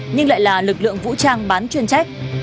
nhưng lại là lực lượng vũ trang bán chuyên trách